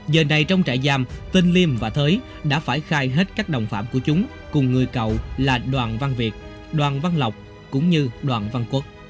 giờ này trong trại giam tên liêm và thới đã phải khai hết các đồng phạm của chúng cùng người cậu là đoàn văn việt đoàn văn lộc cũng như đoàn văn quốc